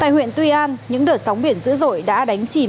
tại huyện tuy an những đợt sóng biển dữ dội đã đánh chìm